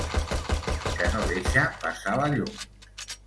Que no deixa passar la llum.